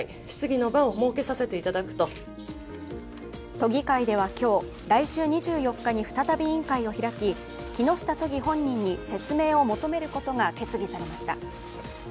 都議会では今日、来週２４日に再び委員会を開き木下都議本人に説明を求めることが決議されました。